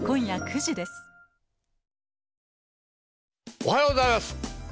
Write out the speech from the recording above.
おはようございます。